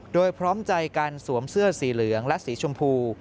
โดยพร้อมใจการสวมเสื้อสีเหลืองและสีชมพู